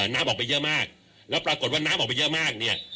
น้ำออกไปเยอะมากแล้วปรากฏว่าน้ำออกไปเยอะมากเนี่ย